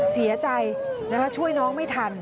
เสียใจนะคะช่วยน้องไม่ทัน